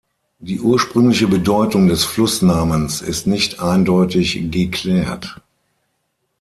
Die ursprüngliche Bedeutung des Fluss-Namens ist nicht eindeutig geklärt.